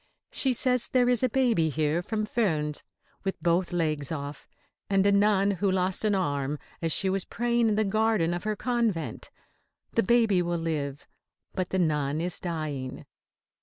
She says there is a baby here from Furnes with both legs off, and a nun who lost an arm as she was praying in the garden of her convent. The baby will live, but the nun is dying.